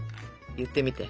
言ってみて。